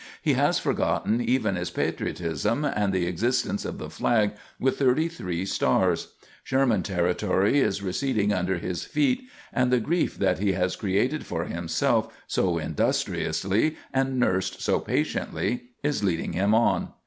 He has forgotten even his patriotism and the existence of the flag with thirty three stars. Sherman Territory is receding under his feet, and the grief that he has created for himself so industriously and nursed so patiently is leading him on.